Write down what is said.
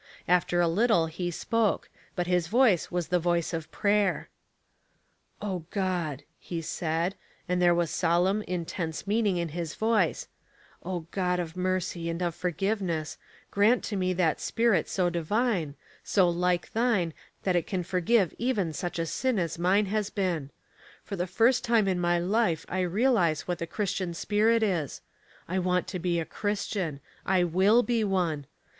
After a little he spoke, but his voice was the voice of prayer. 330 Household Puzzles. "O God," he said — and there was solemn, intense meaning in his voice —'' O God of mercy and of forgiveness, grant to me that spirit so divine, so like thine that it can forgive even such a sin as mine hns been. For the first time in my life I realize what the Christian spirit is, I want to be a Christian — I will be one.